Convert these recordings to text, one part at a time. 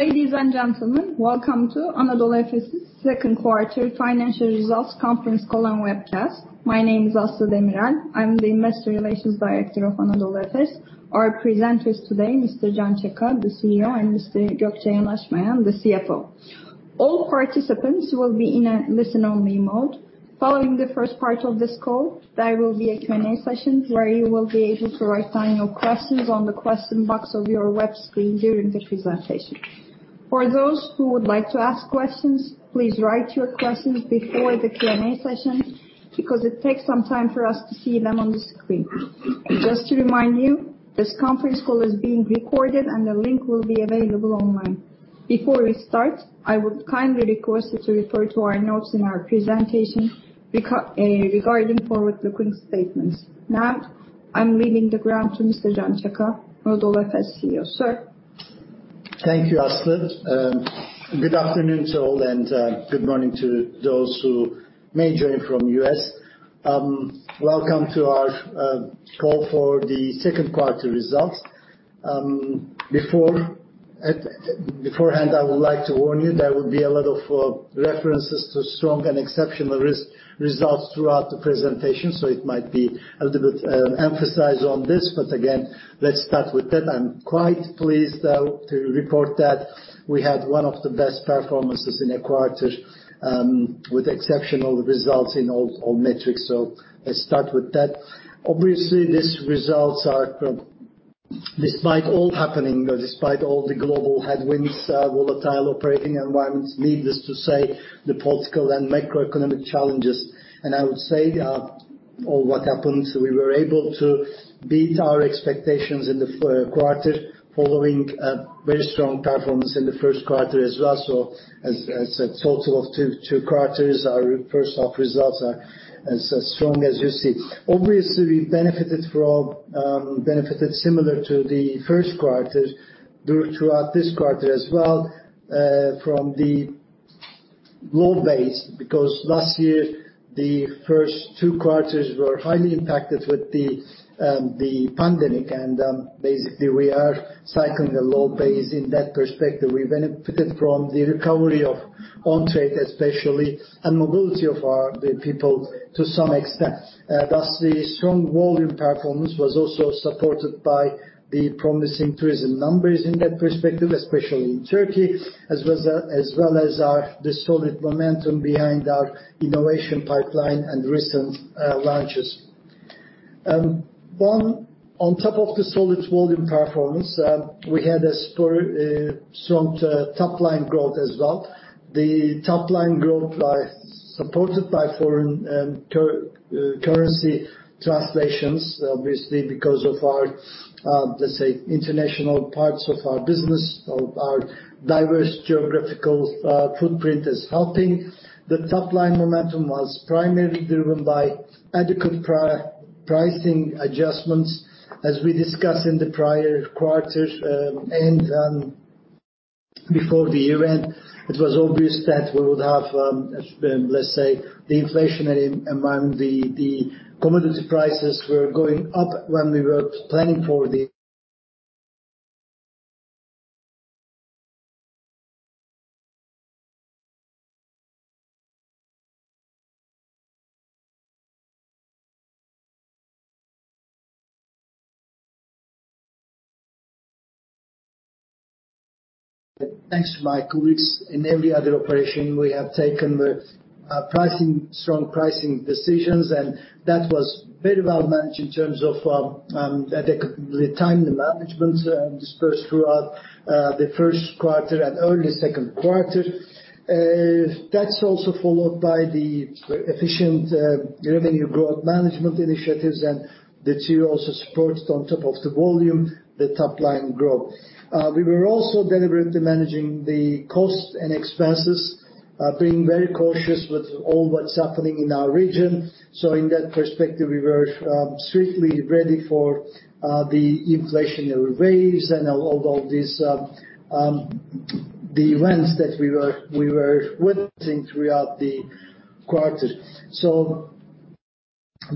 Ladies and gentlemen, welcome to Anadolu Efes' second quarter financial results conference call and webcast. My name is Aslı Demirel. I'm the Investor Relations Director of Anadolu Efes. Our presenters today, Mr. Can Çaka, the CEO, and Mr. Gökçe Yanaşmayan, the CFO. All participants will be in a listen-only mode. Following the first part of this call, there will be a Q&A session where you will be able to write down your questions on the question box of your web screen during the presentation. For those who would like to ask questions, please write your questions before the Q&A session because it takes some time for us to see them on the screen. Just to remind you, this conference call is being recorded and the link will be available online. Before we start, I would kindly request you to refer to our notes in our presentation regarding forward-looking statements. Now, I'm leaving the floor to Mr. Can Çaka, Anadolu Efes CEO. Sir. Thank you, Aslı. Good afternoon to all and good morning to those who may join from U.S. Welcome to our call for the second quarter results. Beforehand, I would like to warn you, there will be a lot of references to strong and exceptional results throughout the presentation, so it might be a little bit emphasized on this. Again, let's start with that. I'm quite pleased to report that we had one of the best performances in the quarter, with exceptional results in all metrics. Let's start with that. Obviously, these results are despite all happening, despite all the global headwinds, volatile operating environments, needless to say, the political and macroeconomic challenges. I would say all what happened, we were able to beat our expectations in the second quarter following a very strong performance in the first quarter as well. As a total of two quarters, our first half results are as strong as you see. Obviously, we benefited from similar to the first quarter throughout this quarter as well from the low base. Because last year, the first two quarters were highly impacted with the pandemic, and basically we are cycling a low base in that perspective. We benefited from the recovery of on-trade especially, and mobility of the people to some extent. Thus the strong volume performance was also supported by the promising tourism numbers in that perspective, especially in Turkey, as well as our solid momentum behind our innovation pipeline and recent launches. On top of the solid volume performance, we had a strong top line growth as well. The top line growth supported by foreign currency translations, obviously, because of our, let's say, international parts of our business, of our diverse geographical footprint is helping. The top line momentum was primarily driven by adequate pricing adjustments. As we discussed in the prior quarters, before the year-end, it was obvious that we would have, let's say, inflation in the commodity prices were going up when we were planning for the year. Thanks to my colleagues in every other operation, we have taken strong pricing decisions, and that was very well managed in terms of adequate timing, the magnitude dispersed throughout the first quarter and early second quarter. That's also followed by the efficient revenue growth management initiatives, and the two also supports on top of the volume, the top line growth. We were also deliberately managing the costs and expenses, being very cautious with all that's happening in our region. In that perspective, we were strictly ready for the inflationary waves and all these, the events that we were witnessing throughout the quarter.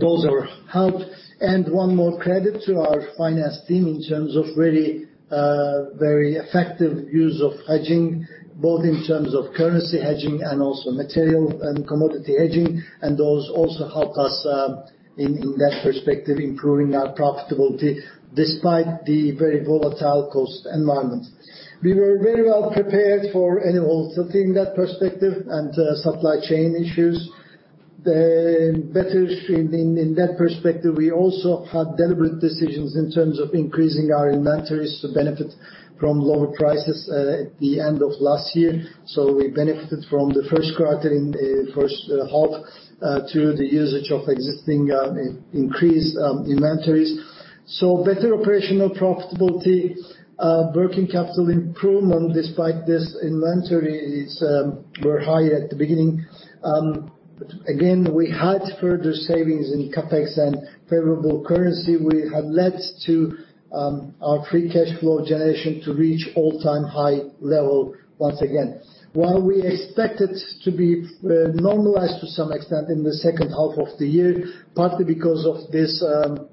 Those are helped. One more credit to our finance team in terms of really very effective use of hedging, both in terms of currency hedging and also material and commodity hedging. Those also helped us in that perspective, improving our profitability despite the very volatile cost environment. We were very well prepared for any volatility in that perspective and supply chain issues. That's better. In that perspective, we also had deliberate decisions in terms of increasing our inventories to benefit from lower prices at the end of last year. We benefited from the first quarter and first half to the usage of existing increased inventories. Better operational profitability, working capital improvement despite this, inventories were high at the beginning. Again, we had further savings in CapEx and favorable currency. Which led to our free cash flow generation to reach all-time high level once again. While we expect it to be normalized to some extent in the second half of the year, partly because of this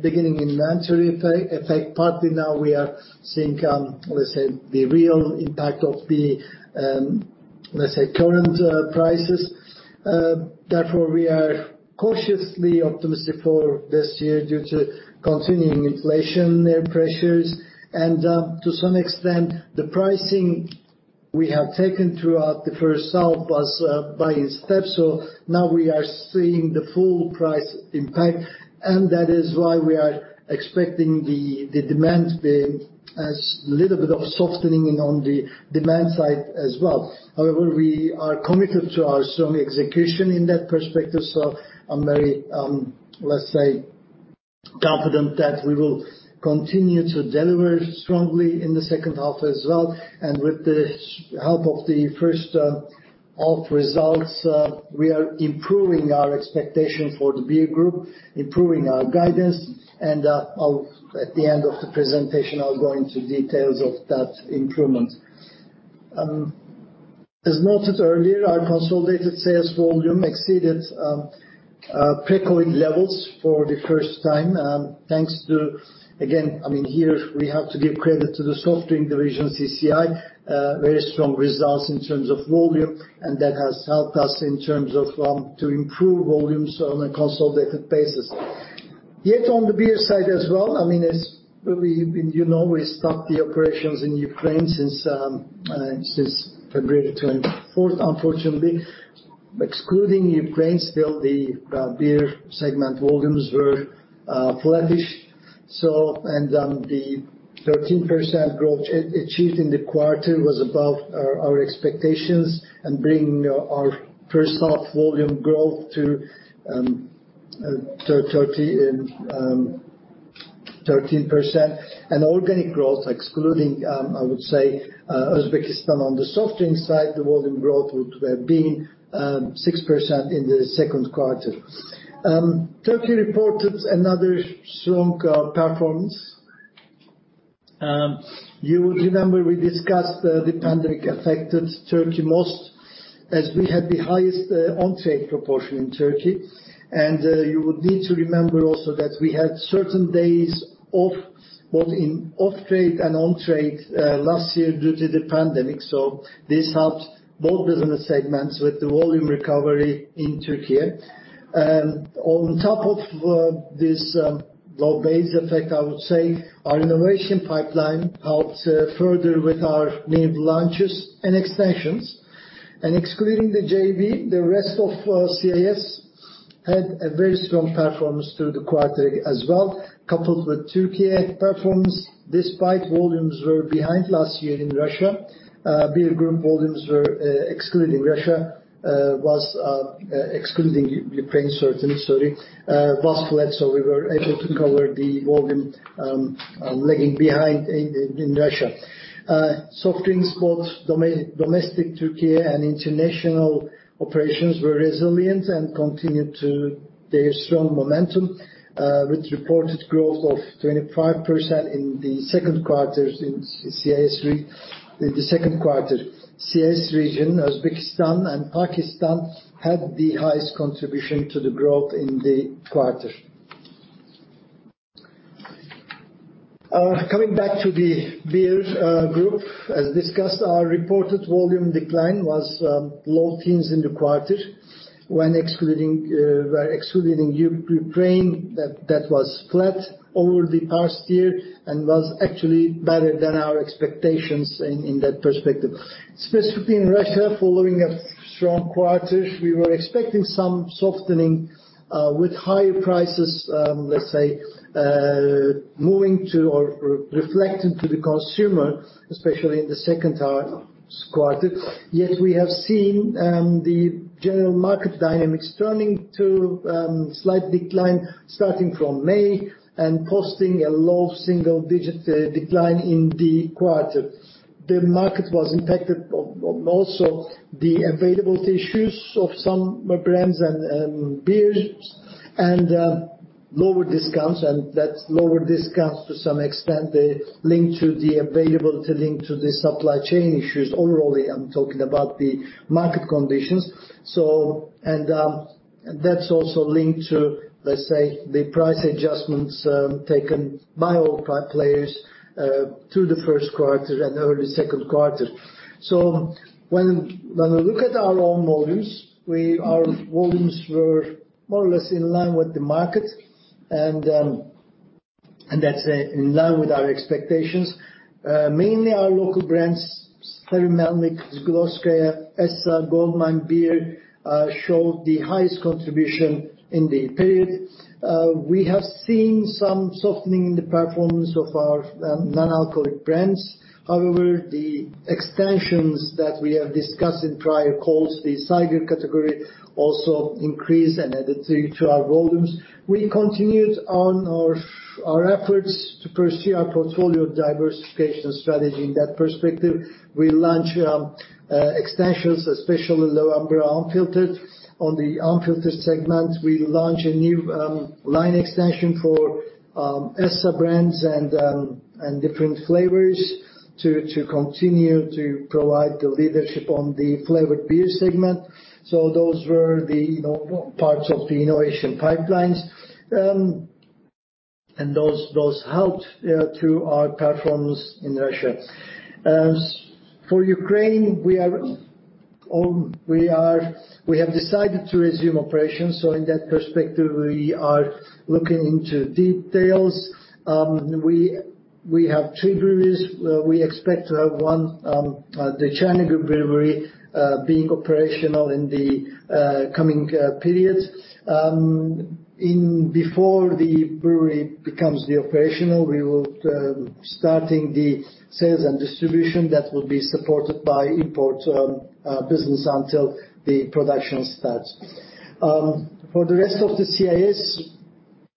beginning inventory effect, partly now we are seeing, let's say, the real impact of the, let's say current prices. Therefore we are cautiously optimistic for this year due to continuing inflation pressures. To some extent, the pricing we have taken throughout the first half was in steps. Now we are seeing the full price impact. That is why we are expecting the demand to be a little bit of softening on the demand side as well. However, we are committed to our strong execution in that respect. I'm very, let's say, confident that we will continue to deliver strongly in the second half as well. With the help of the first half results, we are improving our expectation for the beer group, improving our guidance. At the end of the presentation, I'll go into details of that improvement. As noted earlier, our consolidated sales volume exceeded pre-COVID levels for the first time. Thanks to, again, I mean, here we have to give credit to the soft drink division, CCI, very strong results in terms of volume. That has helped us in terms of to improve volumes on a consolidated basis. Yet on the beer side as well, I mean, you know, we stopped the operations in Ukraine since February 24th, unfortunately. Excluding Ukraine, still the beer segment volumes were flattish. The 13% growth achieved in the quarter was above our expectations and bringing our first half volume growth to 13%. Organic growth, excluding, I would say, Uzbekistan on the soft drink side, the volume growth would have been 6% in the second quarter. Turkey reported another strong performance. You would remember we discussed the pandemic affected Turkey most as we had the highest on-trade proportion in Turkey. You would need to remember also that we had certain days off, both in off-trade and on-trade, last year due to the pandemic. This helped both business segments with the volume recovery in Turkey. On top of this low base effect, I would say our innovation pipeline helped further with our new launches and extensions. Excluding the JV, the rest of CIS had a very strong performance through the quarter as well, coupled with Turkey performance, despite volumes were behind last year in Russia. Beer group volumes were excluding Russia excluding Ukraine certainly sorry was flat, so we were able to cover the volume lagging behind in Russia. Soft drinks, both domestic Turkey and international operations were resilient and continued to their strong momentum, with reported growth of 25% in the second quarter in the CIS region. Uzbekistan and Pakistan had the highest contribution to the growth in the quarter. Coming back to the beer group, as discussed, our reported volume decline was low teens in the quarter. When excluding Ukraine, that was flat over the past year and was actually better than our expectations in that perspective. Specifically in Russia, following a strong quarter, we were expecting some softening with higher prices, let's say, moving to or reflected to the consumer, especially in the second half quarter. Yet we have seen the general market dynamics turning to slight decline starting from May and posting a low single-digit decline in the quarter. The market was impacted, also the availability issues of some brands and beers and lower discounts. That lower discounts to some extent linked to the availability, linked to the supply chain issues. Overall, I'm talking about the market conditions. That's also linked to, let's say, the price adjustments taken by all players through the first quarter and early second quarter. When we look at our own volumes, our volumes were more or less in line with the market and that's in line with our expectations. Mainly our local brands, Stary Melnik, Zolotaya Bochka, Efes, Gold Mine Beer showed the highest contribution in the period. We have seen some softening in the performance of our non-alcoholic brands. However, the extensions that we have discussed in prior calls, the cider category also increased and added to our volumes. We continued on our efforts to pursue our portfolio diversification strategy. In that perspective, we launched extensions, especially low-alcohol unfiltered. On the unfiltered segment, we launched a new line extension for Efes brands and different flavors to continue to provide the leadership on the flavored beer segment. Those were the parts of the innovation pipelines, you know. Those helped to our performance in Russia. As for Ukraine, we have decided to resume operations. In that perspective, we are looking into details. We have two breweries. We expect to have one, the Chernihiv Brewery being operational in the coming period. Before the brewery becomes operational, we will start the sales and distribution that will be supported by import business until the production starts. For the rest of the CIS,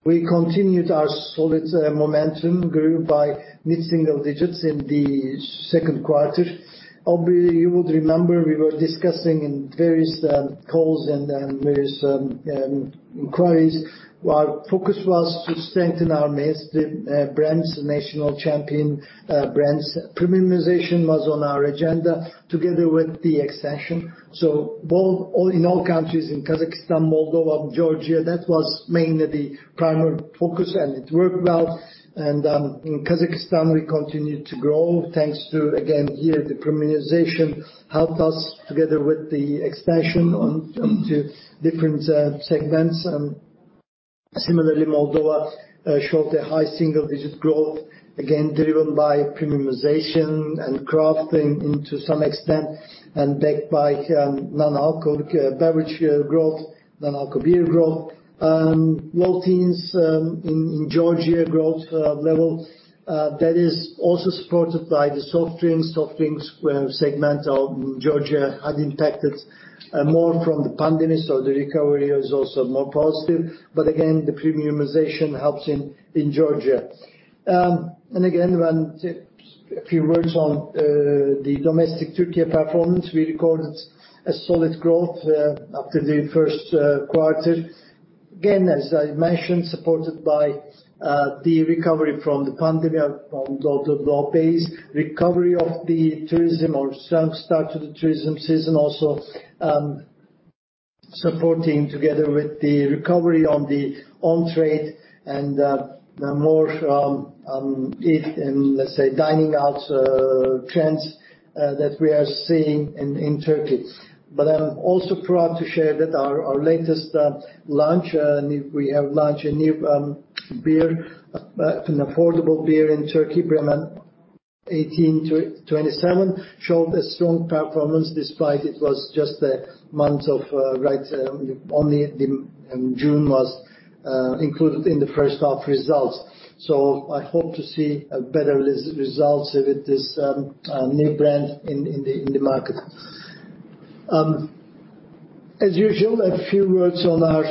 we continued our solid momentum, grew by mid-single digits in the second quarter. You would remember we were discussing in various calls and various inquiries. Our focus was to strengthen our main brands, national champion brands. Premiumization was on our agenda together with the expansion, so both in all countries in Kazakhstan, Moldova, Georgia, that was mainly the primary focus, and it worked well. In Kazakhstan, we continued to grow thanks to again here the premiumization helped us together with the expansion on to different segments. Similarly, Moldova showed a high single-digit growth, again driven by premiumization and craft and to some extent and backed by non-alcoholic beverage growth, non-alcoholic beer growth. Low-teens in Georgia growth level that is also supported by the soft drinks. Soft drinks, our segment in Georgia had been impacted more from the pandemic, so the recovery is also more positive. The premiumization helps in Georgia. A few words on the domestic Turkey performance. We recorded a solid growth after the first quarter. As I mentioned, supported by the recovery from the pandemic from low base. Recovery in the tourism or strong start to the tourism season also supporting together with the recovery in the on-trade and the more eating and, let's say, dining out trends that we are seeing in Turkey. I'm also proud to share that our latest launch. We have launched a new beer. It's an affordable beer in Turkey, Bremen 1827, showed a strong performance despite it was just a month, right, only June was included in the first half results. I hope to see better results with this new brand in the market. As usual, a few words on our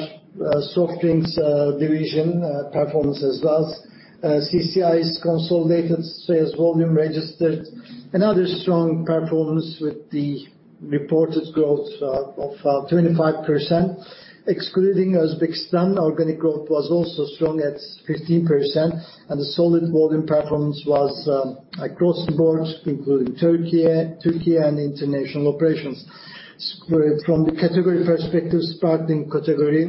soft drinks division performance as well. CCI's consolidated sales volume registered another strong performance with the reported growth of 25%. Excluding Uzbekistan, organic growth was also strong at 15%, and the solid volume performance was across the board, including Turkey and international operations. From the category perspective, sparkling category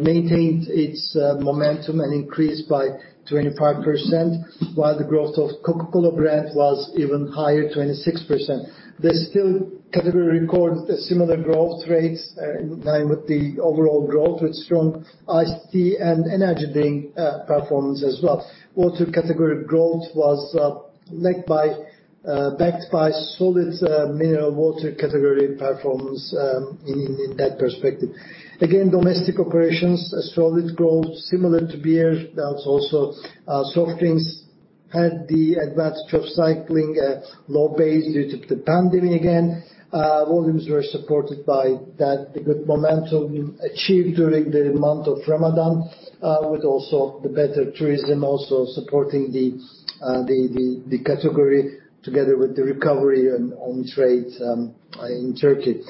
maintained its momentum and increased by 25%, while the growth of Coca-Cola brand was even higher, 26%. The still category recorded similar growth rates in line with the overall growth with strong iced tea and energy drink performance as well. Water category growth was led by, backed by solid mineral water category performance in that perspective. Again, domestic operations, a solid growth similar to beer. That's also soft drinks had the advantage of cycling a low base due to the pandemic again. Volumes were supported by that, the good momentum achieved during the month of Ramadan, with also the better tourism also supporting the category together with the recovery on-trade in Turkey.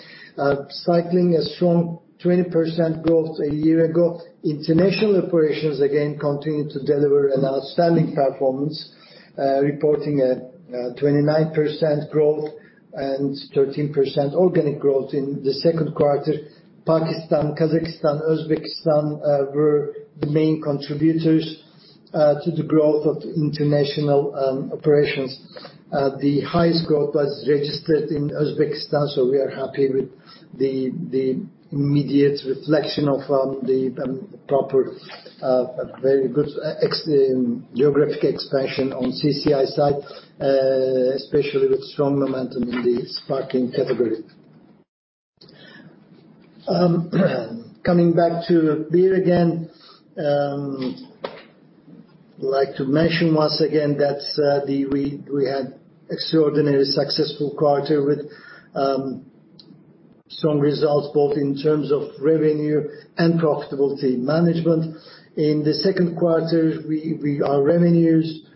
Cycling a strong 20% growth a year ago. International operations again continued to deliver an outstanding performance, reporting a 29% growth and 13% organic growth in the second quarter. Pakistan, Kazakhstan, Uzbekistan were the main contributors to the growth of the international operations. The highest growth was registered in Uzbekistan, so we are happy with the immediate reflection of the proper, very good geographic expansion on CCI side, especially with strong momentum in the sparkling category. Coming back to beer again. Like to mention once again that we had extraordinarily successful quarter with strong results both in terms of revenue and profitability management. In the second quarter, our revenues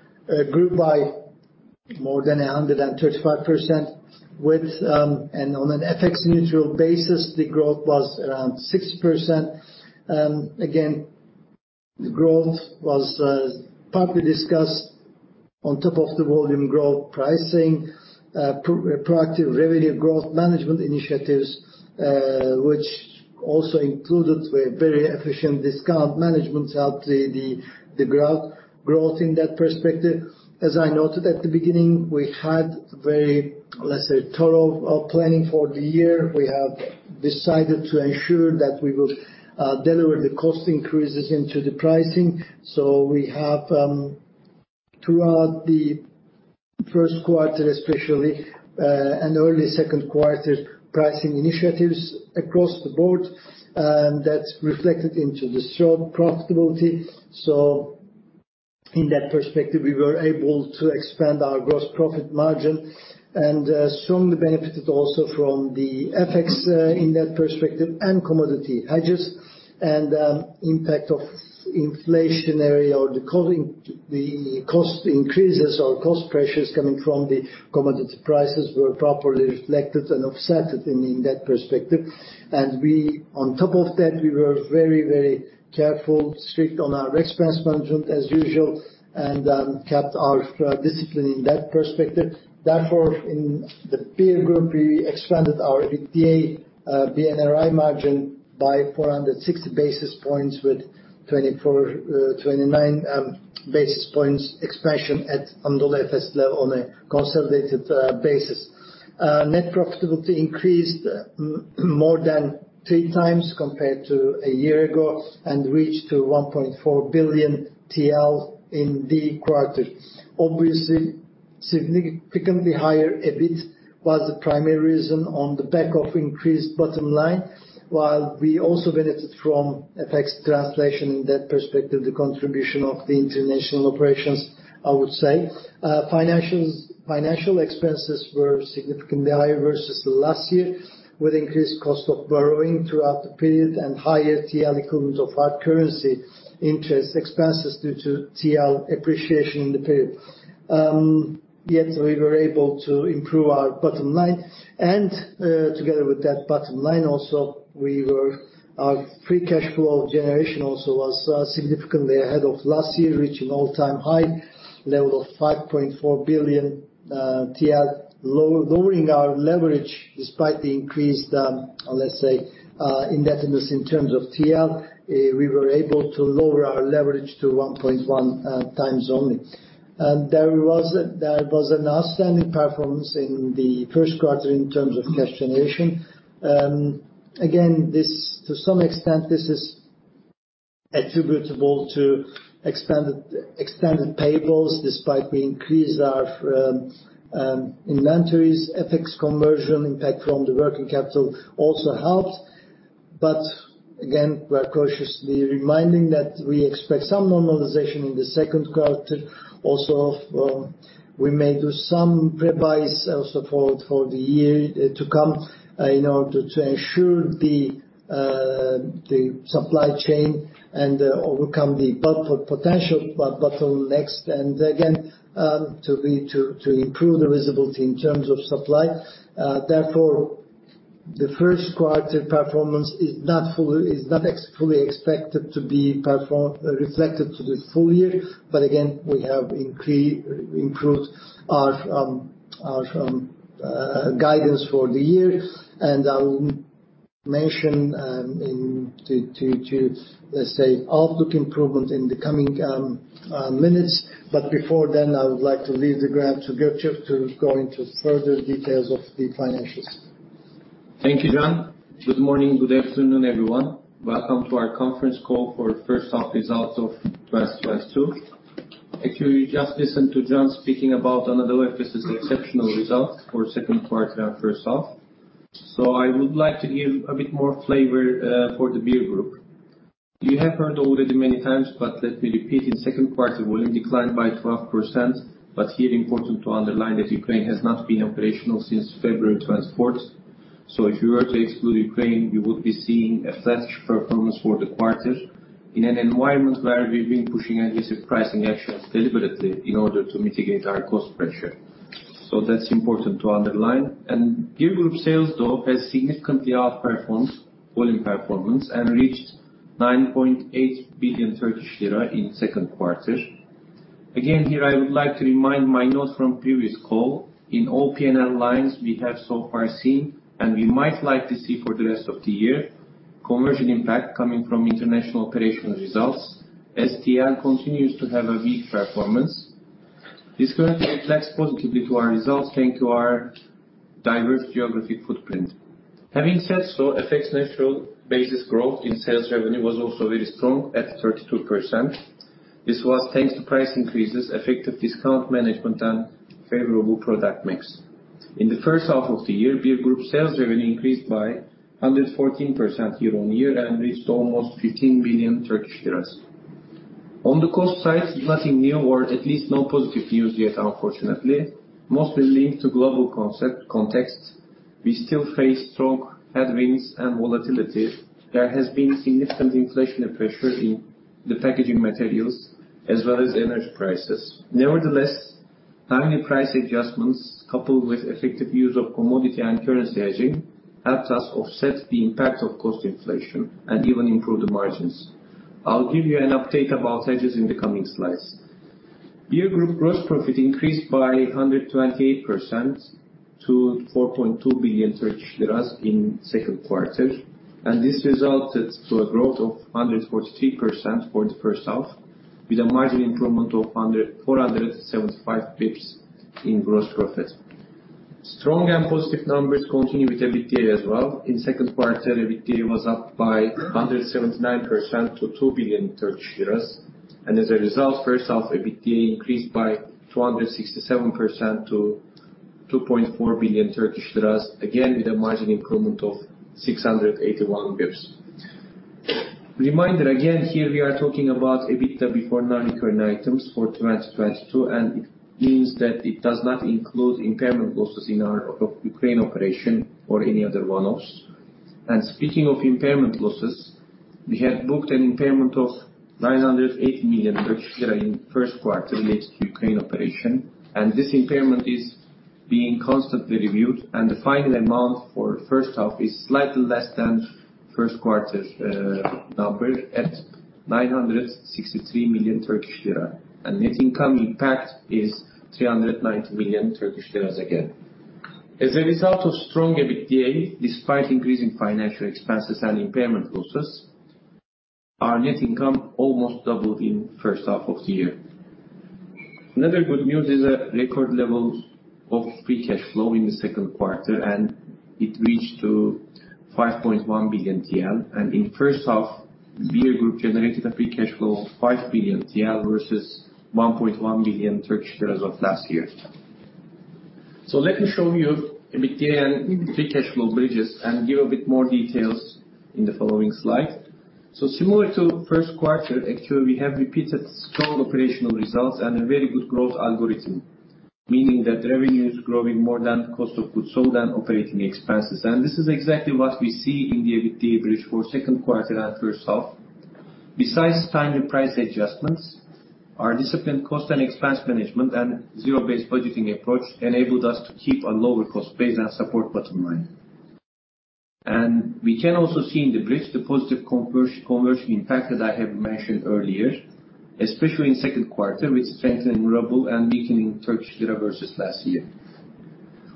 grew by more than 135%. On an FX neutral basis, the growth was around 6%. On top of the volume growth, pricing, proactive revenue growth management initiatives, which also included very efficient discount management helped the growth in that perspective. As I noted at the beginning, we had very, let's say, thorough planning for the year. We have decided to ensure that we will deliver the cost increases into the pricing. We have throughout the first quarter especially and early second quarter pricing initiatives across the board, and that's reflected into the strong profitability. In that perspective, we were able to expand our gross profit margin and strongly benefited also from the FX in that perspective and commodity hedges. Impact of inflationary or the cost increases or cost pressures coming from the commodity prices were properly reflected and offset in that perspective. On top of that, we were very, very careful, strict on our expense management as usual, and kept our discipline in that perspective. Therefore, in the peer group, we expanded our EBITDA (BNRI) margin by 460 basis points with 24-29 basis points expansion at Anadolu Efes level on a consolidated basis. Net profitability increased more than 3x compared to a year ago and reached 1.4 billion TL in the quarter. Obviously, significantly higher EBIT was the primary reason on the back of increased bottom line. While we also benefited from FX translation in that perspective, the contribution of the international operations, I would say. Financial expenses were significantly higher versus last year, with increased cost of borrowing throughout the period and higher TRY equivalent of hard currency interest expenses due to TRY appreciation in the period. Yet we were able to improve our bottom line. Together with that bottom line, free cash flow generation also was significantly ahead of last year, reaching all-time high level of 5.4 billion TL. Lowering our leverage despite the increased, let's say, indebtedness in terms of TL, we were able to lower our leverage to 1.1x only. There was an outstanding performance in the first quarter in terms of cash generation. Again, this to some extent is attributable to expanded payables, despite we increased our inventories, FX conversion impact from the working capital also helped. We're cautiously reminding that we expect some normalization in the second quarter. We may do some prep buys also for the year to come in order to ensure the supply chain and overcome the potential bottlenecks and again to improve the visibility in terms of supply. Therefore, the first quarter performance is not fully expected to be reflected in the full year. Again, we have improved our guidance for the year. I will mention let's say outlook improvement in the coming minutes. Before then, I would like to turn it over to Gökçe to go into further details of the financials. Thank you, Can. Good morning. Good afternoon, everyone. Welcome to our conference call for first half results of 2022. Actually, you just listened to Can speaking about Anadolu Efes' exceptional results for second quarter and first half. I would like to give a bit more flavor for the beer group. You have heard already many times, but let me repeat, in second quarter, volume declined by 12%. Here important to underline that Ukraine has not been operational since February 24th. If you were to exclude Ukraine, you would be seeing a flash performance for the quarter in an environment where we've been pushing aggressive pricing actions deliberately in order to mitigate our cost pressure. That's important to underline. Beer group sales though has significantly outperformed volume performance and reached 9.8 billion Turkish lira in second quarter. Again, here I would like to remind my note from previous call. In all P&L lines we have so far seen, and we might like to see for the rest of the year, conversion impact coming from international operational results. STR continues to have a weak performance. This currently reflects positively to our results, thanks to our diverse geographic footprint. Having said so, FX neutral basis growth in sales revenue was also very strong at 32%. This was thanks to price increases, effective discount management, and favorable product mix. In the first half of the year, beer group sales revenue increased by 114% year-on-year and reached almost 15 billion Turkish lira. On the cost side, nothing new or at least no positive news yet, unfortunately. Mostly linked to global context, we still face strong headwinds and volatility. There has been significant inflationary pressure in the packaging materials as well as energy prices. Nevertheless, timely price adjustments, coupled with effective use of commodity and currency hedging, helped us offset the impact of cost inflation and even improve the margins. I'll give you an update about hedges in the coming slides. Beer Group gross profit increased by 128% to 4.2 billion Turkish lira in second quarter, and this resulted to a growth of 143% for the first half, with a margin improvement of 475 basis points in gross profit. Strong and positive numbers continue with EBITDA as well. In second quarter, EBITDA was up by 179% to 2 billion Turkish lira. As a result, first half EBITDA increased by 267% to TRY 2.4 billion, again, with a margin improvement of 681 basis points. Reminder, again, here we are talking about EBITDA before non-recurring items for 2022, and it means that it does not include impairment losses in our Ukraine operation or any other one-offs. Speaking of impairment losses, we had booked an impairment of 980 million in first quarter related to Ukraine operation, and this impairment is being constantly reviewed, and the final amount for first half is slightly less than first quarter number at 963 million Turkish lira. Net income impact is 390 million Turkish lira again. As a result of strong EBITDA, despite increasing financial expenses and impairment losses, our net income almost doubled in first half of the year. Another good news is a record level of free cash flow in the second quarter, and it reached to 5.1 billion TL. In first half, Beer Group generated a free cash flow of 5 billion TL versus TRY 1.1 billion of last year. Let me show you EBITDA and free cash flow bridges and give a bit more details in the following slide. Similar to first quarter, actually we have repeated strong operational results and a very good growth algorithm, meaning that revenue is growing more than cost of goods sold and operating expenses. This is exactly what we see in the EBITDA bridge for second quarter and first half. Besides timely price adjustments, our disciplined cost and expense management and zero-based budgeting approach enabled us to keep a lower cost base and support bottom line. We can also see in the bridge the positive conversion impact that I have mentioned earlier, especially in second quarter with strengthening ruble and weakening Turkish lira versus last year.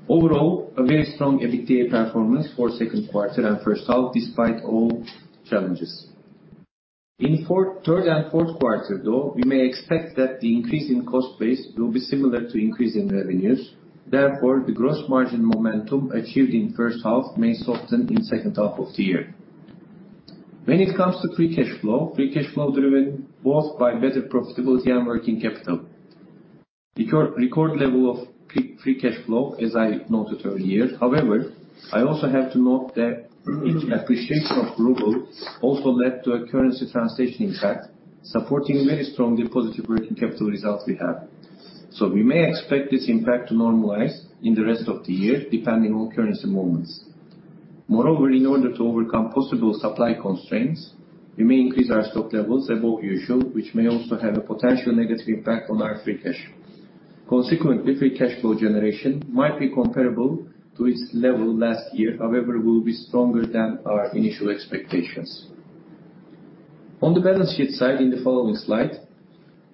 Overall, a very strong EBITDA performance for second quarter and first half despite all challenges. In third and fourth quarter though, we may expect that the increase in cost base will be similar to increase in revenues. Therefore, the gross margin momentum achieved in first half may soften in second half of the year. When it comes to free cash flow, free cash flow driven both by better profitability and working capital. Record level of free cash flow, as I noted earlier. However, I also have to note that appreciation of ruble also led to a currency translation impact, supporting very strongly positive working capital results we have. We may expect this impact to normalize in the rest of the year, depending on currency movements. Moreover, in order to overcome possible supply constraints, we may increase our stock levels above usual, which may also have a potential negative impact on our free cash. Consequently, free cash flow generation might be comparable to its level last year. However, it will be stronger than our initial expectations. On the balance sheet side in the following slide,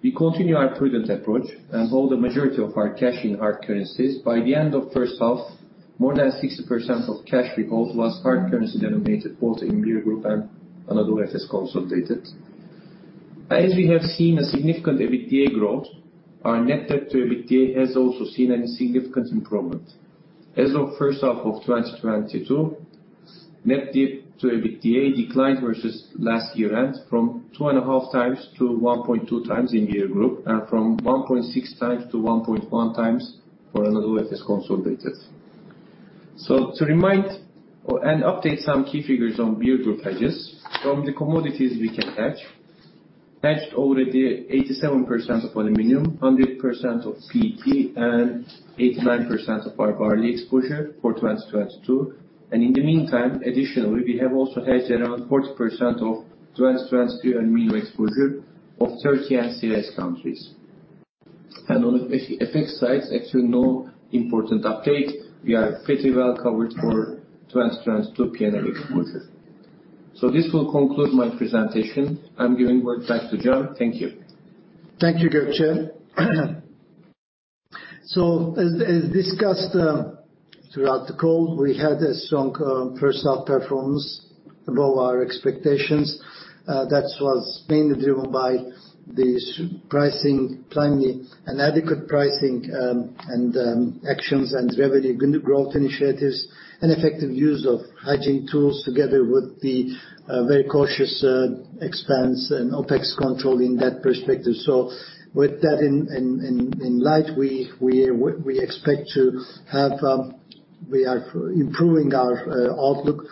we continue our prudent approach and hold the majority of our cash in hard currencies. By the end of first half, more than 60% of cash we hold was hard currency denominated, both in Beer Group and Anadolu Efes consolidated. As we have seen a significant EBITDA growth, our net debt to EBITDA has also seen a significant improvement. As of first half of 2022, net debt to EBITDA declined versus last year end from 2.5x to 1.2x in Beer Group, and from 1.6x to 1.1x for Anadolu Efes consolidated. To remind and update some key figures on Beer Group hedges, from the commodities we can hedge, hedged already 87% of aluminum, 100% of PET, and 89% of our barley exposure for 2022. In the meantime, additionally, we have also hedged around 40% of 2023 annual exposure of Turkey and CIS countries. On the FX side, actually no important update. We are pretty well covered for 2022 P&L exposure. This will conclude my presentation. I'm giving back to Can Çaka. Thank you. Thank you, Gökçe. As discussed throughout the call, we had a strong first half performance above our expectations. That was mainly driven by the pricing, timely and adequate pricing, and actions and revenue growth initiatives and effective use of hedging tools together with the very cautious expense and OpEx control in that perspective. With that in light, we expect to have we are improving our outlook.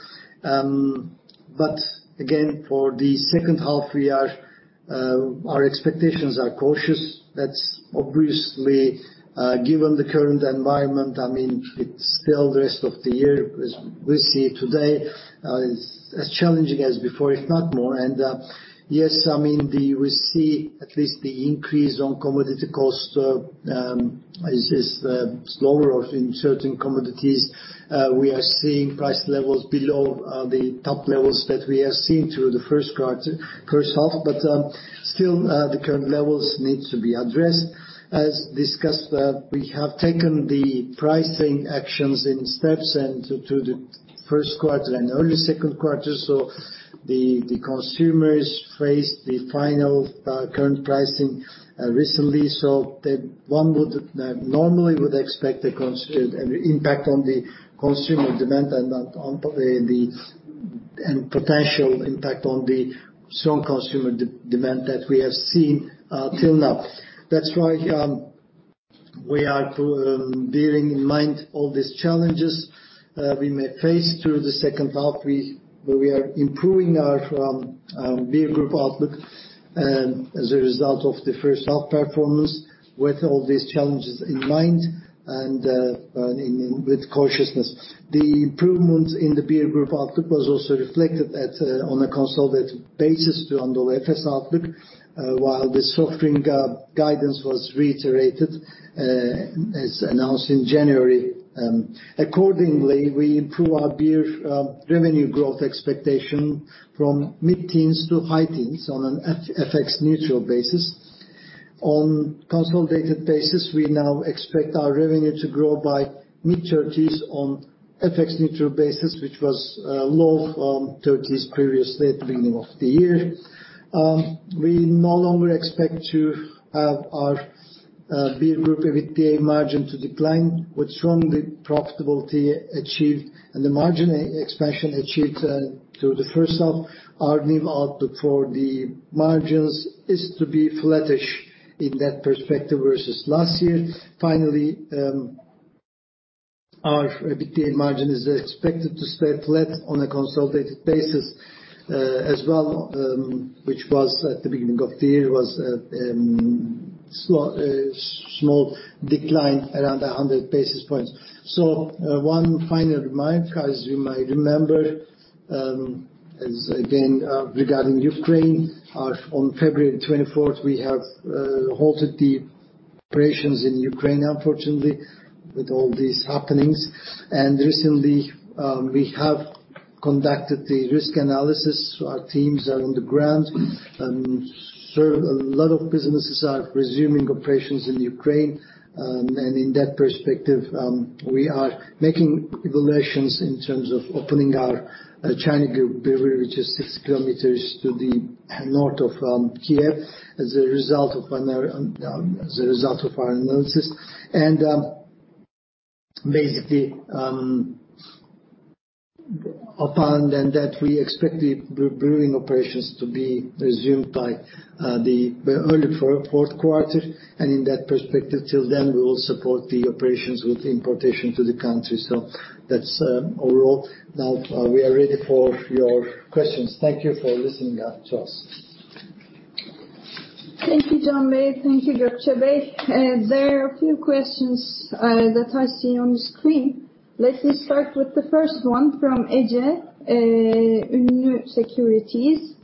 Again, for the second half our expectations are cautious. That's obviously given the current environment. I mean, it's still the rest of the year as we see it today is as challenging as before, if not more. Yes, I mean, we see at least the increase on commodity costs is slower or in certain commodities. We are seeing price levels below the top levels that we have seen through the first half. Still, the current levels need to be addressed. As discussed, we have taken the pricing actions in steps and to the first quarter and early second quarter. The consumers faced the final current pricing recently. One would normally expect an impact on the consumer demand and potential impact on the strong consumer demand that we have seen till now. We are bearing in mind all these challenges we may face through the second half. We are improving our beer group outlook as a result of the first half performance with all these challenges in mind and with cautiousness. The improvements in the beer group outlook was also reflected on a consolidated basis to the Efes outlook while the softening guidance was reiterated as announced in January. Accordingly, we improve our beer revenue growth expectation from mid-teens to high teens on an FX neutral basis. On consolidated basis, we now expect our revenue to grow by mid-thirties on FX neutral basis, which was low thirties previously at the beginning of the year. We no longer expect to have our beer group EBITDA margin to decline with strong profitability achieved and the margin expansion achieved through the first half. Our new outlook for the margins is to be flattish in that perspective versus last year. Finally, our EBITDA margin is expected to stay flat on a consolidated basis, as well, which was at the beginning of the year, a small decline around 100 basis points. One final reminder, as you might remember, as again, regarding Ukraine. On February 24th, we have halted the operations in Ukraine, unfortunately, with all these happenings. Recently, we have conducted the risk analysis. Our teams are on the ground and several businesses are resuming operations in Ukraine. In that perspective, we are making evaluations in terms of opening our Chernihiv beer brewery, which is six kilometers to the north of Kyiv as a result of our analysis. Basically, upon that then we expect the brewing operations to be resumed by the early fourth quarter. In that perspective, till then, we will support the operations with importation to the country. That's overall. Now, we are ready for your questions. Thank you for listening to us. Thank you, Can bey. Thank you, Gökçe bey. There are a few questions that I see on the screen. Let me start with the first one from Ece, Ünlü & Co.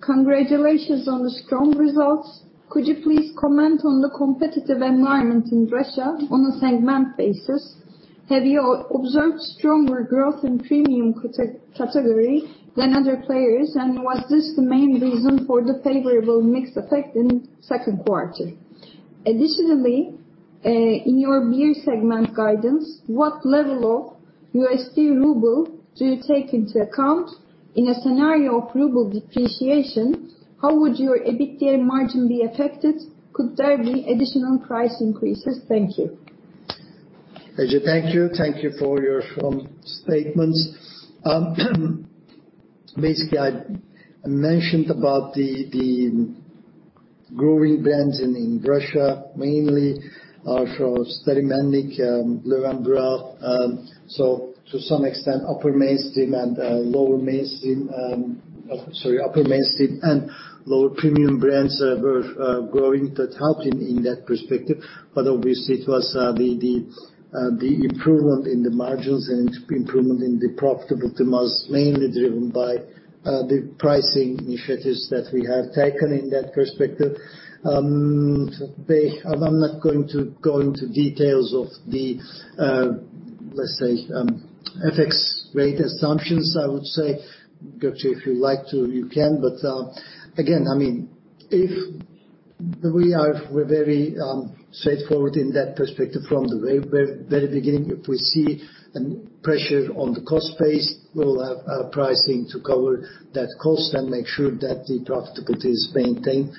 Congratulations on the strong results. Could you please comment on the competitive environment in Russia on a segment basis? Have you observed stronger growth in premium category than other players? Was this the main reason for the favorable mix effect in second quarter? Additionally, in your beer segment guidance, what level of USD ruble do you take into account? In a scenario of ruble depreciation, how would your EBITDA margin be affected? Could there be additional price increases? Thank you. Ece, thank you. Thank you for your strong statements. Basically I mentioned about the growing brands in Russia, mainly from Stary Melnik, Löwenbräu. To some extent, upper mainstream and lower premium brands are growing. That helped in that perspective. Obviously it was the improvement in the margins and improvement in the profitability was mainly driven by the pricing initiatives that we have taken in that perspective. I'm not going to go into details of the, let's say, FX rate assumptions, I would say. Gökçe, if you like to, you can. Again, I mean, if we're very straightforward in that perspective from the very beginning. If we see an pressure on the cost base, we'll have pricing to cover that cost and make sure that the profitability is maintained.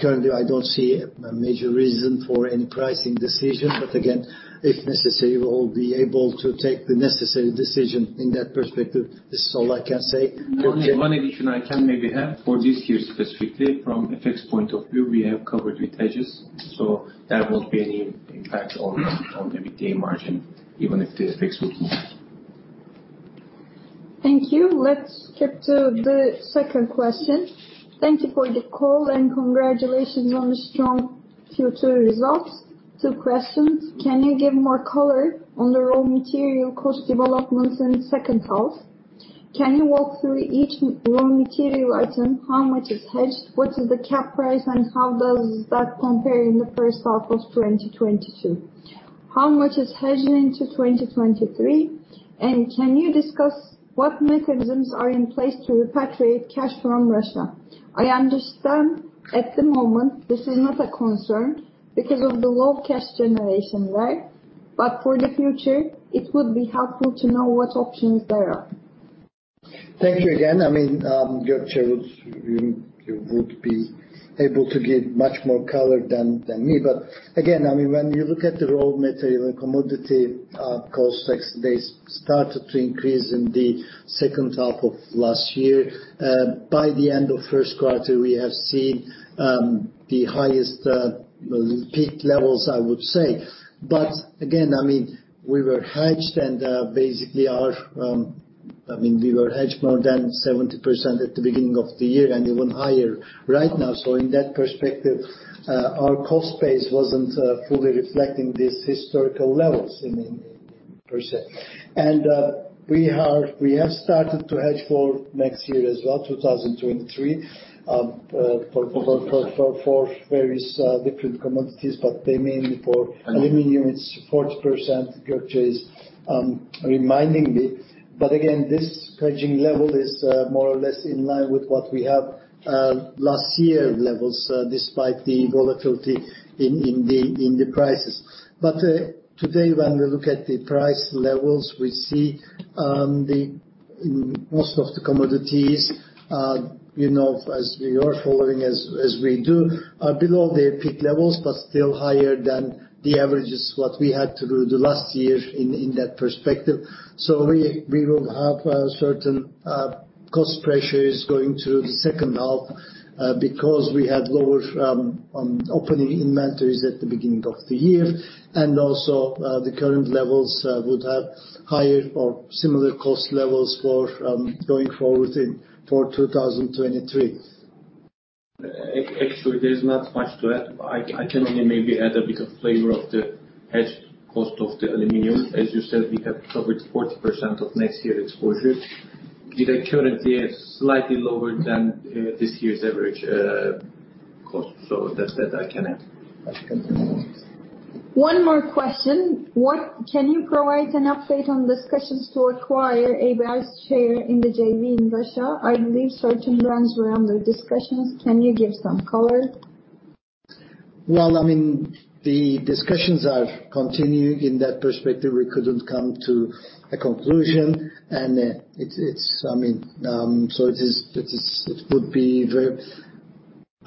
Currently, I don't see a major reason for any pricing decision. Again, if necessary, we will be able to take the necessary decision in that perspective. This is all I can say. Gökçe. One addition I can maybe have for this year specifically from FX point of view, we have covered with hedges, so there won't be any impact on the EBITDA margin even if the FX would move. Thank you. Let's skip to the second question. Thank you for the call, and congratulations on the strong Q2 results. Two questions. Can you give more color on the raw material cost developments in the second half? Can you walk through each m-raw material item, how much is hedged, what is the cap price, and how does that compare in the first half of 2022? How much is hedged into 2023? And can you discuss what mechanisms are in place to repatriate cash from Russia? I understand at the moment this is not a concern because of the low cash generation, right? For the future, it would be helpful to know what options there are. Thank you again. I mean, Gökçe would, you would be able to give much more color than me. Again, I mean, when you look at the raw material and commodity cost, they started to increase in the second half of last year. By the end of first quarter, we have seen the highest peak levels, I would say. Again, I mean, we were hedged and basically our I mean, we were hedged more than 70% at the beginning of the year and even higher right now. In that perspective, our cost base wasn't fully reflecting these historical levels in per se. We have started to hedge for next year as well, 2023, for various different commodities. They mainly for aluminum, it's 40%, Gökçe is reminding me. This hedging level is more or less in line with what we have last year levels despite the volatility in the prices. Today, when we look at the price levels, we see in most of the commodities, you know, as you're following, as we do, are below their peak levels but still higher than the averages what we had through last year in that perspective. We will have certain cost pressures going through the second half because we had lower opening inventories at the beginning of the year. Also, the current levels would have higher or similar cost levels for going forward in for 2023. Actually, there's not much to add. I can only maybe add a bit of flavor of the hedge cost of the aluminum. As you said, we have covered 40% of next year exposure. The current year is slightly lower than this year's average cost. That's it. I can add. That's good. One more question. Can you provide an update on discussions to acquire ABI's share in the JV in Russia? I believe certain brands were under discussions. Can you give some color? Well, I mean, the discussions are continuing. In that perspective, we couldn't come to a conclusion. I mean, it would be very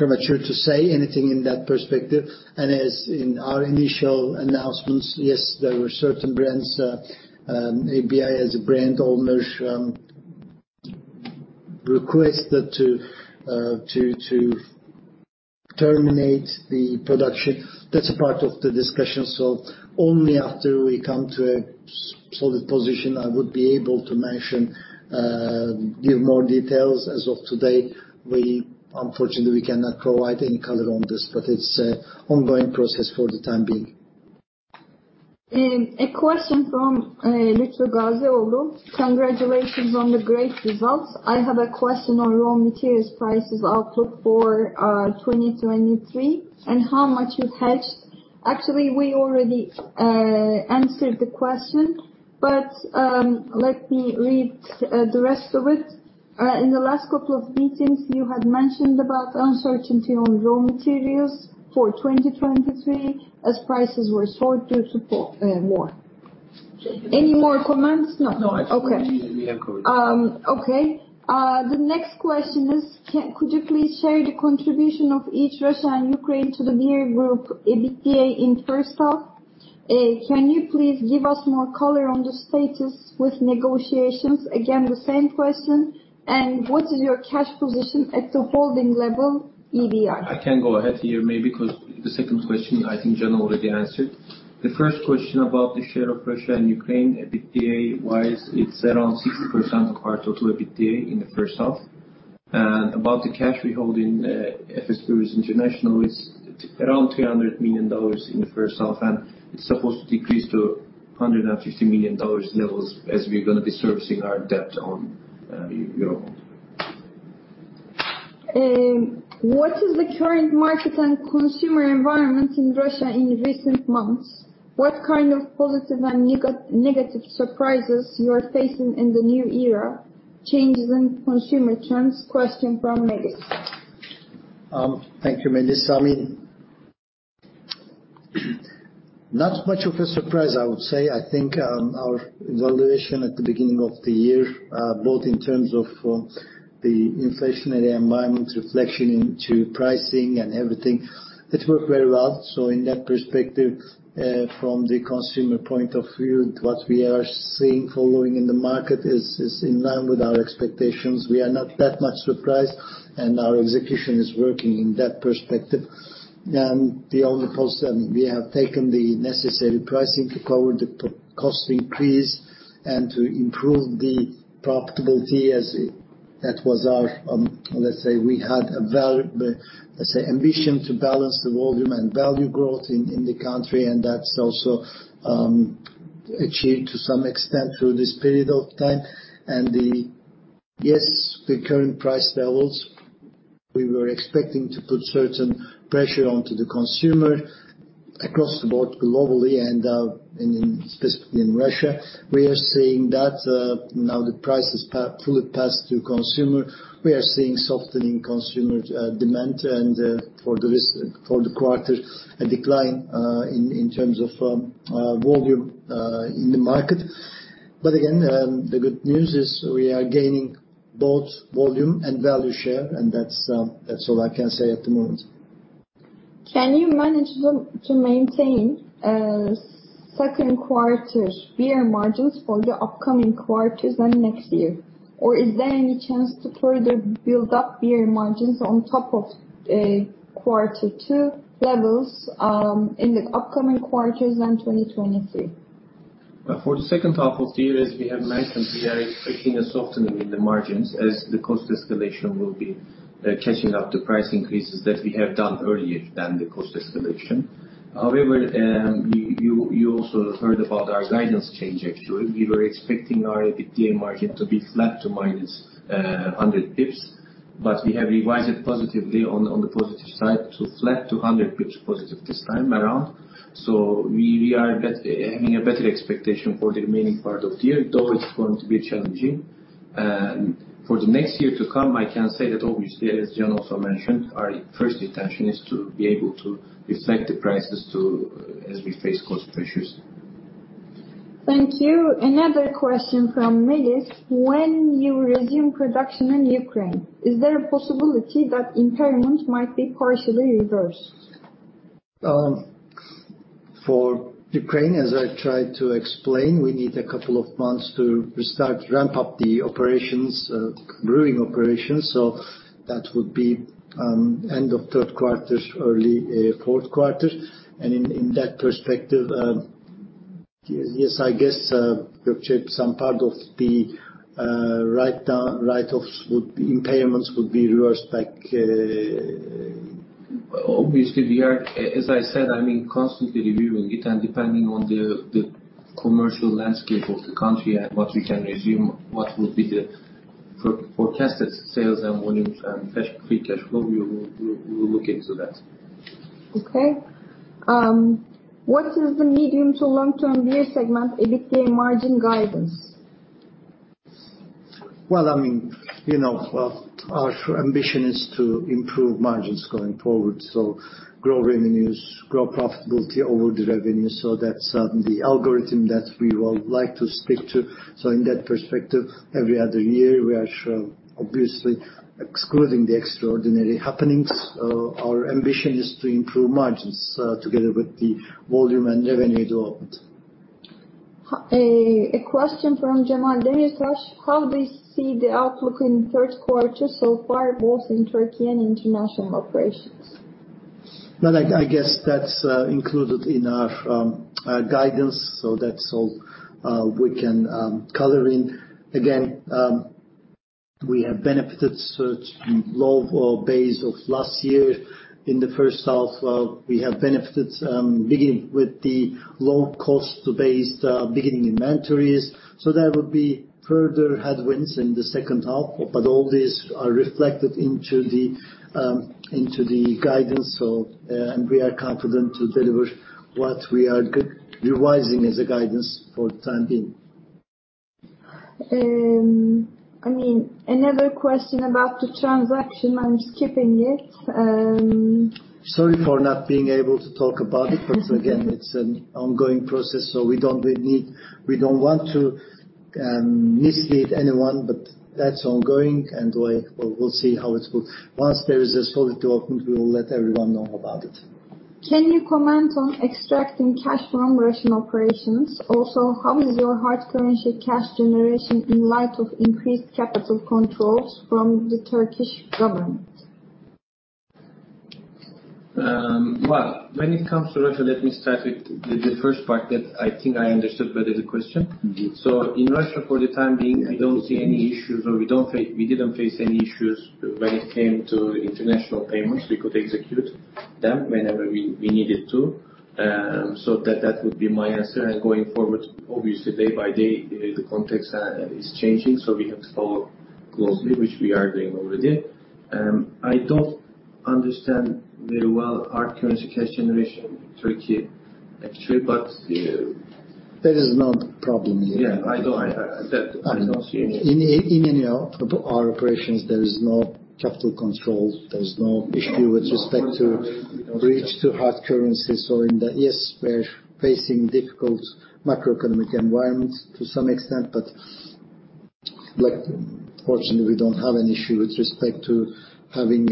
premature to say anything in that perspective. As in our initial announcements, yes, there were certain brands, AB InBev as a brand almost, requested to terminate the production. That's a part of the discussion. Only after we come to a solid position, I would be able to mention, give more details. As of today, we unfortunately cannot provide any color on this. It's an ongoing process for the time being. A question from Lütfü Gazioğlu. Congratulations on the great results. I have a question on raw materials prices outlook for 2023 and how much you've hedged. Actually, we already answered the question, but let me read the rest of it. In the last couple of meetings, you had mentioned about uncertainty on raw materials for 2023 as prices soared due to the war. Any more comments? No. No. Actually. We have covered. Okay. The next question is, could you please share the contribution of each Russia and Ukraine to the Beer Group EBITDA in first half? Can you please give us more color on the status with negotiations? Again, the same question. What is your cash position at the holding level, EBI? I can go ahead here maybe 'cause the second question, I think Can already answered. The first question about the share of Russia and Ukraine, EBITDA-wise, it's around 60% of our total EBITDA in the first half. About the cash we hold in Efes Breweries International, it's around $200 million in the first half, and it's supposed to decrease to $150 million levels as we're gonna be servicing our debt on, you know. What is the current market and consumer environment in Russia in recent months? What kind of positive and negative surprises you are facing in the new era, changes in consumer trends? Question from Melis. Thank you, Melis. I mean, not much of a surprise, I would say. I think our evaluation at the beginning of the year both in terms of the inflationary environment reflection into pricing and everything, it worked very well. In that perspective, from the consumer point of view, what we are seeing in the market is in line with our expectations. We are not that much surprised, and our execution is working in that perspective. The only positive, we have taken the necessary pricing to cover the cost increase and to improve the profitability as that was our ambition to balance the volume and value growth in the country, and that's also achieved to some extent through this period of time. Yes, the current price levels, we were expecting to put certain pressure onto the consumer across the board globally and, specifically in Russia. We are seeing that, now the price is fully passed through to the consumer. We are seeing softening consumer demand and, for the quarter, a decline in terms of volume in the market. Again, the good news is we are gaining both volume and value share, and that's all I can say at the moment. Can you manage to maintain second quarter beer margins for the upcoming quarters and next year? Or is there any chance to further build up beer margins on top of quarter two levels in the upcoming quarters in 2023? For the second half of the year, as we have mentioned, we are expecting a softening in the margins as the cost escalation will be catching up the price increases that we have done earlier than the cost escalation. However, you also heard about our guidance change actually. We were expecting our EBITDA margin to be flat to minus 100 basis points, but we have revised it positively on the positive side to flat to 100 basis points positive this time around. So we are having a better expectation for the remaining part of the year, though it's going to be challenging. For the next year to come, I can say that obviously, as Can also mentioned, our first intention is to be able to reflect the prices too as we face cost pressures. Thank you. Another question from Mehdi. When you resume production in Ukraine, is there a possibility that impairments might be partially reversed? For Ukraine, as I tried to explain, we need a couple of months to restart, ramp up the operations, brewing operations. That would be end of third quarter, early fourth quarter. In that perspective, yes, I guess, some part of the impairments would be reversed back. Obviously, we are, as I said, I mean, constantly reviewing it, and depending on the commercial landscape of the country and what we can resume, what will be the forecasted sales and volumes and free cash flow, we will look into that. Okay. What is the medium to long-term Beer segment EBITDA margin guidance? Well, I mean, you know, well, our ambition is to improve margins going forward. Grow revenues, grow profitability over the revenue. That's the algorithm that we would like to stick to. In that perspective, every other year, we are sure, obviously excluding the extraordinary happenings, our ambition is to improve margins, together with the volume and revenue development. A question from Cemal Demirtaş. How they see the outlook in the third quarter so far, both in Turkey and international operations? Well, I guess that's included in our guidance, so that's all we can color in. Again, we have benefited from such a low base of last year. In the first half, we have benefited beginning with the low-cost base, beginning inventories. There would be further headwinds in the second half. All these are reflected into the guidance. We are confident to deliver what we are revising as a guidance for the time being. I mean, another question about the transaction. I'm skipping it. Sorry for not being able to talk about it. Again, it's an ongoing process, so we don't want to mislead anyone. That's ongoing, and we'll see how it goes. Once there is a solid development, we will let everyone know about it. Can you comment on extracting cash from Russian operations? Also, how is your hard currency cash generation in light of increased capital controls from the Turkish government? Well, when it comes to Russia, let me start with the first part that I think I understood better the question. Mm-hmm. In Russia, for the time being, we don't see any issues or we didn't face any issues when it came to international payments. We could execute them whenever we needed to. That would be my answer. Going forward, obviously day by day, the context is changing, so we have to follow closely, which we are doing already. I don't understand very well our currency cash generation in Turkey actually, but. There is no problem. I don't see any. You know, our operations, there is no capital controls. There's no issue with respect to access to hard currencies. Yes, we're facing difficult macroeconomic environment to some extent. Like, fortunately, we don't have an issue with respect to having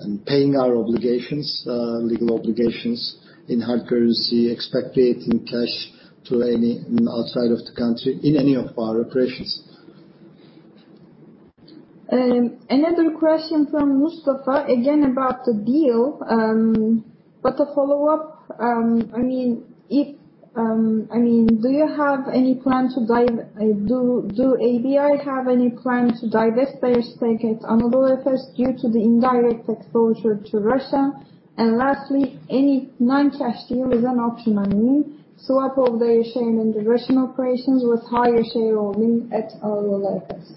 and paying our obligations, legal obligations in hard currency, repatriating cash to anywhere outside of the country in any of our operations. Another question from Mustafa again about the deal. A follow-up, I mean, do you have any plan to divest their stake at Anadolu Efes due to the indirect exposure to Russia? Lastly, any non-cash deal is an option, I mean, swap of their share in the Russian operations with higher shareholding at Anadolu Efes.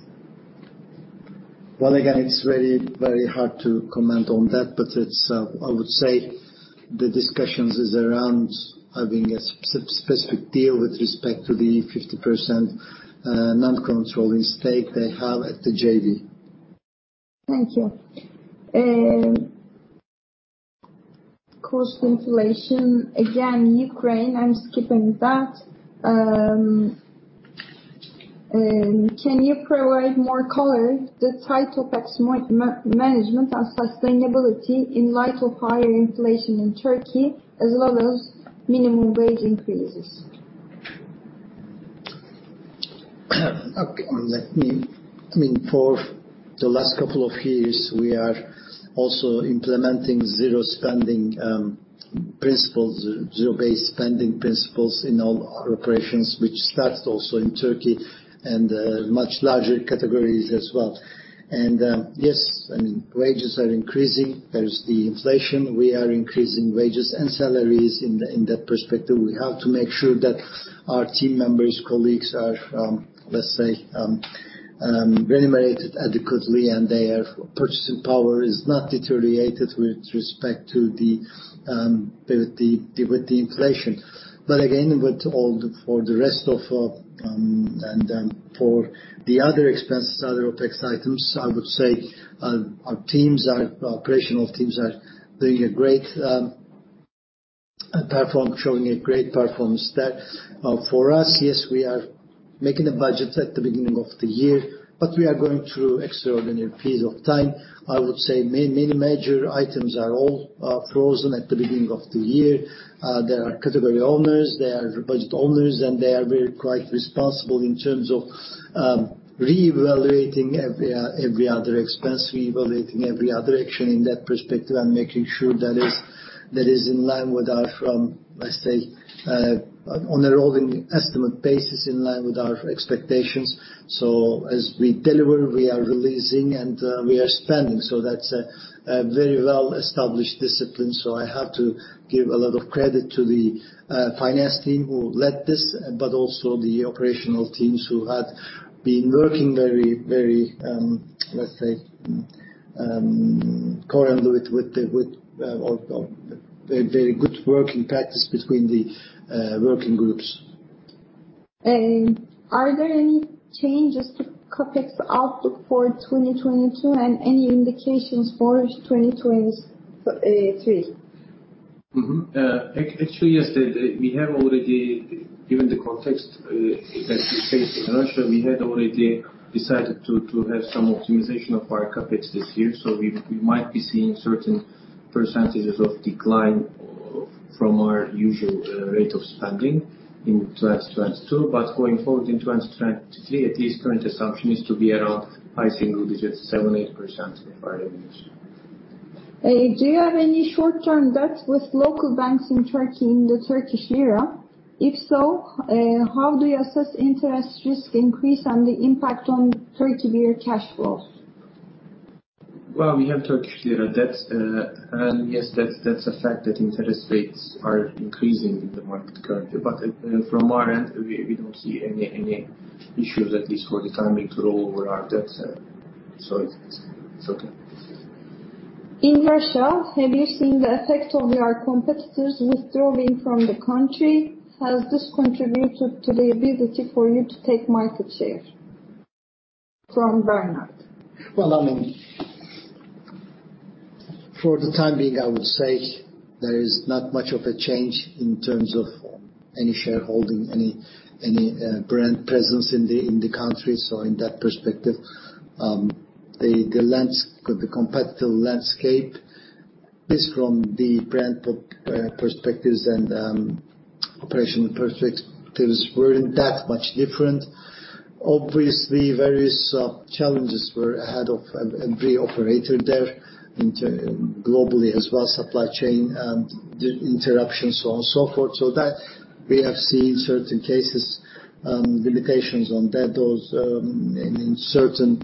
Well, again, it's very, very hard to comment on that. It's I would say the discussions is around having a specific deal with respect to the 50% non-controlling stake they have at the JV. Thank you. Cost inflation. Again, Ukraine, I'm skipping that. Can you provide more color, the tight OpEx management and sustainability in light of higher inflation in Turkey as well as minimum wage increases? Okay. I mean, for the last couple of years, we are also implementing zero-based spending principles in all our operations, which starts also in Turkey and much larger categories as well. Yes, I mean, wages are increasing. There's the inflation. We are increasing wages and salaries in that perspective. We have to make sure that our team members, colleagues are, let's say, remunerated adequately, and their purchasing power is not deteriorated with respect to the inflation. But again, for the rest of the other expenses, other OpEx items, I would say, our operational teams are showing a great performance there. For us, yes, we are making a budget at the beginning of the year, but we are going through extraordinary periods of time. I would say many major items are all frozen at the beginning of the year. There are category owners, there are budget owners, and they are very quite responsible in terms of reevaluating every other expense, reevaluating every other action in that perspective and making sure that is in line with our, from, let's say, on a rolling estimate basis, in line with our expectations. As we deliver, we are releasing, and we are spending. That's a very well-established discipline. I have to give a lot of credit to the finance team who led this, but also the operational teams who had been working very, let's say, very good working practice between the working groups. Are there any changes to CapEx outlook for 2022 and any indications for 2023? Actually, yes. We have already, given the context that we face in Russia, we had already decided to have some optimization of our CapEx this year. We might be seeing certain percentages of decline from our usual rate of spending in 2022. Going forward in 2023, at least current assumption is to be around high single digits, 7%-8% if I remember correctly. Do you have any short-term debt with local banks in Turkey in the Turkish lira? If so, how do you assess interest rate risk increase and the impact on Turkish beer cash flows? Well, we have Turkish lira debt. Yes, that's a fact that interest rates are increasing in the market currently. From our end, we don't see any issues at least for the time being to roll over our debt. It's okay. In Russia, have you seen the effect of your competitors withdrawing from the country? Has this contributed to the ability for you to take market share from Bernard? Well, I mean, for the time being, I would say there is not much of a change in terms of any shareholding, any brand presence in the country. In that perspective, the competitive landscape is from the brand perspectives and operational perspectives weren't that much different. Obviously, various challenges were ahead of every operator there internationally as well, supply chain interruptions, so on and so forth. That we have seen certain cases, limitations on that. Those in certain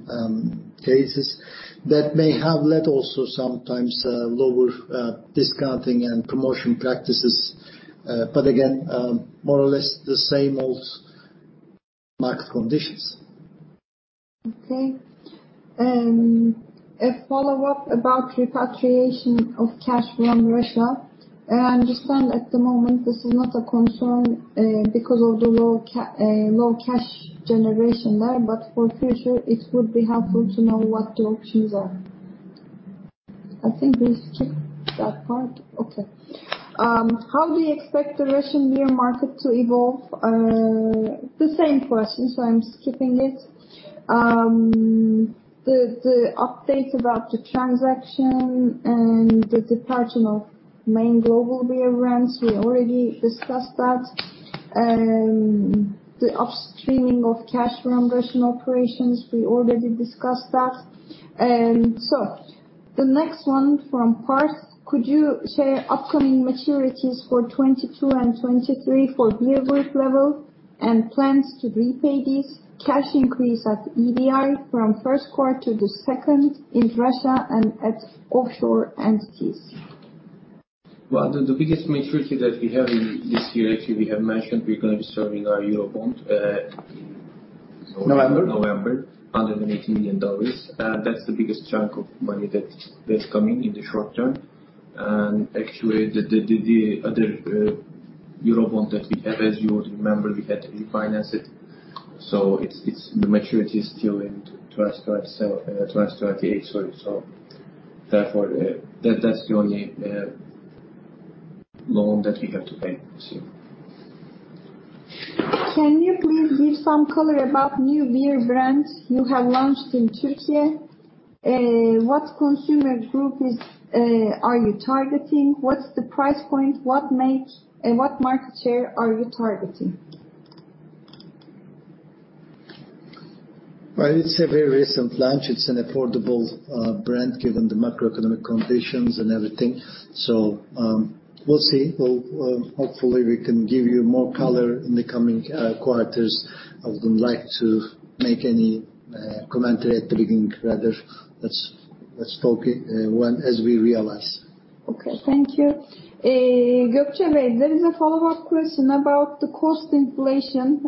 cases that may have led also sometimes lower discounting and promotion practices, but again, more or less the same old market conditions. A follow-up about repatriation of cash from Russia. I understand at the moment this is not a concern, because of the low cash generation there, but for future it would be helpful to know what the options are. I think we skipped that part. Okay. How do you expect the Russian beer market to evolve? The same question, so I'm skipping it. The update about the transaction and the departure of main global beer brands, we already discussed that. The upstreaming of cash from Russian operations, we already discussed that. The next one from Pars: Could you share upcoming maturities for 2022 and 2023 for debt book level and plans to repay these cash increase at EBI from first quarter to the second in Russia and at offshore entities? Well, the biggest maturity that we have in this year, actually, we have mentioned we're gonna be servicing our Eurobond. November. In November, $180 million. That's the biggest chunk of money that's coming in the short term. Actually the other Eurobond that we have, as you would remember, we had to refinance it. It's the maturity is still in 2028, sorry. Therefore, that's the only loan that we have to pay this year. Can you please give some color about new beer brands you have launched in Türkiye? What consumer group are you targeting? What's the price point? What market share are you targeting? Well, it's a very recent launch. It's an affordable brand given the macroeconomic conditions and everything. We'll see. Hopefully we can give you more color in the coming quarters. I wouldn't like to make any commentary at the beginning. Rather, let's talk it when as we realize. Okay, thank you. Gökçe Bey, there is a follow-up question about the cost inflation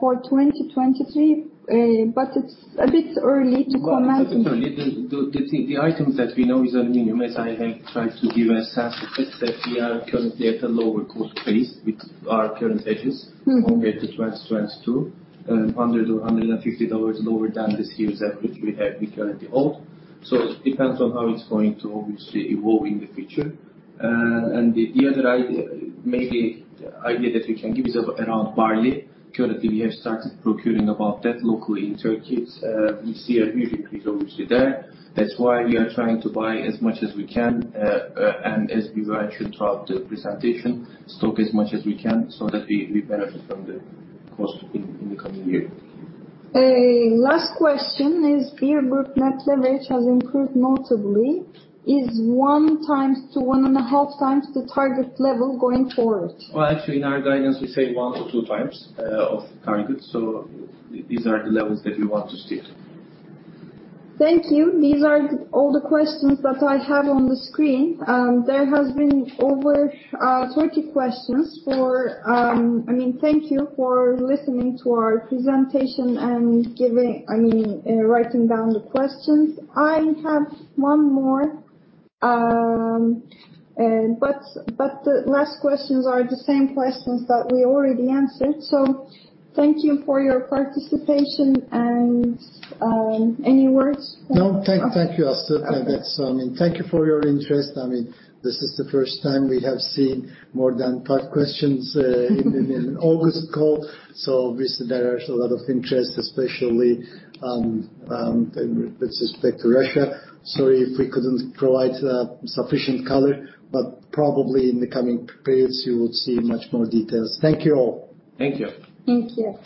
for 2023, but it's a bit early to comment on it. Well, the item that we know is aluminum. As I have tried to give a sense of it, that we are currently at a lower cost base with our current hedges- Mm-hmm. From beer to 2022, $150 lower than this year's average we currently hold. It depends on how it's going to obviously evolve in the future. The other maybe idea that we can give is around barley. Currently, we have started procuring about that locally in Türkiye. We see a huge increase obviously there. That's why we are trying to buy as much as we can. As we mentioned throughout the presentation, stock as much as we can so that we benefit from the cost in the coming year. Last question is beer group net leverage has improved notably. Is 1x-1.5x the target level going forward? Well, actually, in our guidance we say 1x-2x of targets. These are the levels that we want to see it. Thank you. These are all the questions that I have on the screen. I mean, thank you for listening to our presentation and writing down the questions. I have one more. The last questions are the same questions that we already answered. Thank you for your participation and any words? No. Thank you, Aslı. Okay. I mean, thank you for your interest. I mean, this is the first time we have seen more than five questions in an August call. Obviously there is a lot of interest, especially with respect to Russia. Sorry if we couldn't provide sufficient color, but probably in the coming periods you will see much more details. Thank you all. Thank you. Thank you.